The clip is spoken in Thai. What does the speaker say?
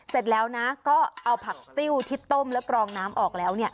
เสร็จแล้วนะก็เอาผักติ้วที่ต้มและกรองน้ำออกแล้ว